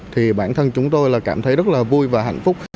thì bản thân chúng tôi là cảm thấy rất là vui và hạnh phúc